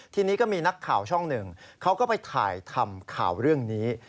ทีนี้ก็มีนักข่าวช่องหนึ่งเขาก็ไปถ่ายทำข่าวเรื่องนี้